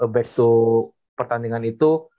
back to pertandingan itu